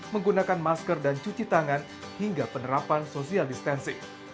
menggunakan masker dan cuci tangan hingga penerapan social distancing